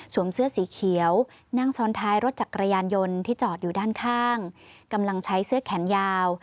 เสื้อสีเขียวนั่งซ้อนท้ายรถจักรยานยนต์ที่จอดอยู่ด้านข้างกำลังใช้เสื้อแขนยาว